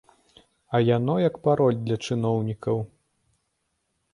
А яно як пароль для чыноўнікаў.